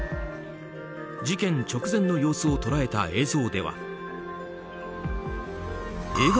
事件直前の様子を捉えた映像では